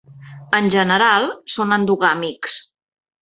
En general són endogàmics.